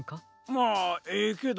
まあええけど。